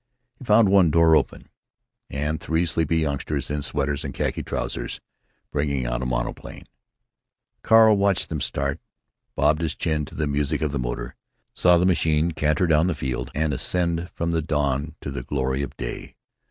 He found one door open, and three sleepy youngsters in sweaters and khaki trousers bringing out a monoplane. Carl watched them start, bobbed his chin to the music of the motor, saw the machine canter down the field and ascend from dawn to the glory of day.